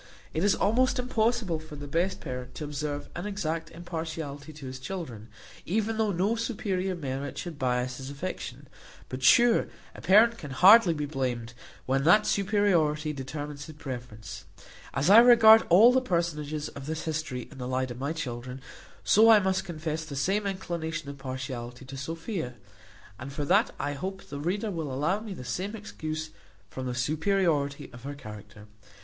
It is almost impossible for the best parent to observe an exact impartiality to his children, even though no superior merit should bias his affection; but sure a parent can hardly be blamed, when that superiority determines his preference. As I regard all the personages of this history in the light of my children; so I must confess the same inclination of partiality to Sophia; and for that I hope the reader will allow me the same excuse, from the superiority of her character.